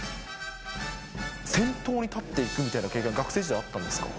先頭に立っていくみたいな経験は、学生時代、あったんですか。